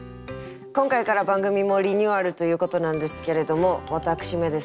今回から番組もリニューアルということなんですけれども私めですね